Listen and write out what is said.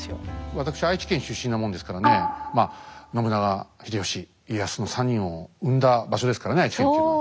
私愛知県出身なもんですからねまあ信長秀吉家康の３人を生んだ場所ですからね愛知県というのは。